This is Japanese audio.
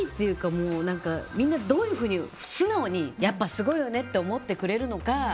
みんな素直にやっぱすごいよねって思ってくれるのか